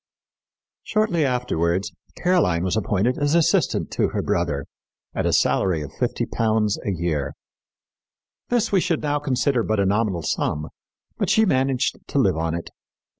Shortly afterwards Caroline was appointed as assistant to her brother at a salary of £50 a year. This we should now consider but a nominal sum, but she managed to live on it.